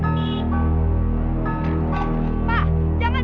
masa dia bancetan ini